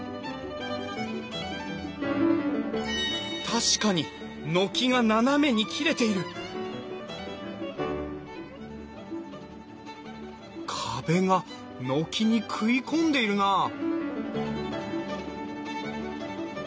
確かに軒が斜めに切れている壁が軒に食い込んでいるなあ